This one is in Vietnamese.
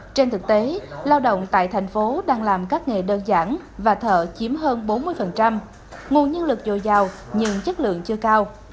trên thực tế lao động tại thành phố đang làm các nghề đơn giản và thợ chiếm hơn bốn mươi nguồn nhân lực dồi dào nhưng chất lượng chưa cao